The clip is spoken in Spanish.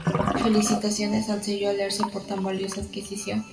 Felicitaciones al sello alerce por tan valiosa adquisición.